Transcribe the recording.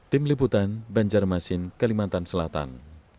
tim liputan banjarmasin kalimantan selatan